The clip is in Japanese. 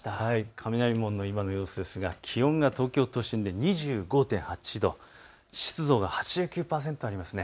雷門の今の様子ですが気温が東京都心で２５．８度、湿度が８９％ありますね。